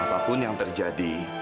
apapun yang terjadi